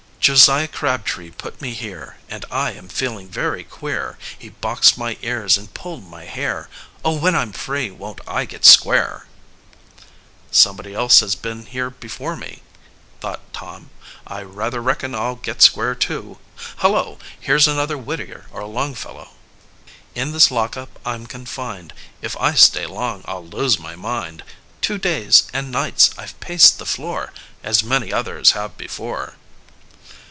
"Josiah Crabtree put me here, And I am feeling very queer; He boxed my ears and pulled my hair Oh, when I'm free won't I get square!" "Somebody else has been here before me," thought Tom. "I rather reckon I'll get square too. Hullo, here's another Whittier or Longfellow: "In this lock up I'm confined; If I stay long I'll lose my mind. Two days and nights I've paced the floor, As many others have before."